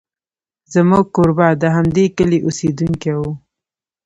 زموږ کوربه د همدې کلي اوسېدونکی و.